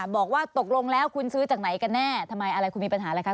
บอกว่าตกลงแล้วคุณซื้อจากไหนกันแน่ทำไมอะไรคุณมีปัญหาอะไรคะ